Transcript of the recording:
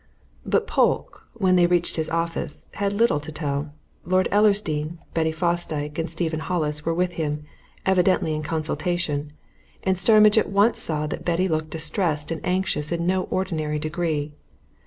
But Polke, when they reached his office, had little to tell. Lord Ellersdeane, Betty Fosdyke, and Stephen Hollis were with him, evidently in consultation, and Starmidge at once saw that Betty looked distressed and anxious in no ordinary degree.